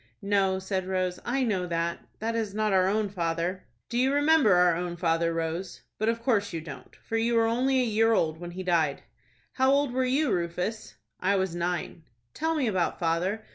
"No," said Rose, "I know that,—that is not our own father." "Do you remember our own father, Rose? But of course you don't, for you were only a year old when he died." "How old were you, Rufus?" "I was nine." "Tell me about father.